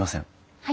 はい。